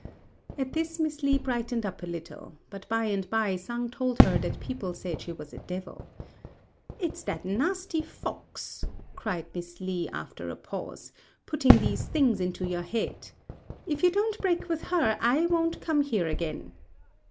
At this Miss Li brightened up a little; but by and by Sang told her that people said she was a devil. "It's that nasty fox," cried Miss Li, after a pause, "putting these things into your head. If you don't break with her, I won't come here again."